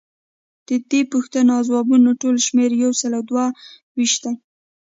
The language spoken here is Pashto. ددې پوښتنو او ځوابونو ټول شمیر یوسلو دوه ویشت دی.